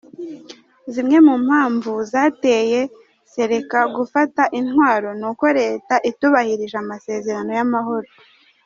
Zimwe mu mpamvu zateye Séléka gufata intwaro ni uko Leta itubahirije amasezerano y’amahoro.